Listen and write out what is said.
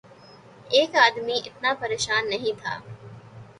ایک آدمی اتنا پریشان نہیں تھا۔